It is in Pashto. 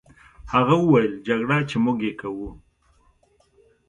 هغه وویل: جګړه، چې موږ یې کوو.